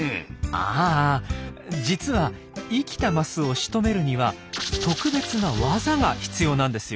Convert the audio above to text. あ実は生きたマスをしとめるには特別な技が必要なんですよ。